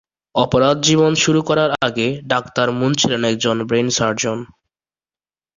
অপরাধ জীবন শুরু করার আগে ডাক্তার মুন ছিলেন একজন ব্রেইন সার্জন।